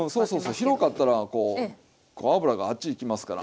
広かったらこう油があっちいきますから。